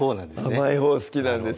甘いほう好きなんです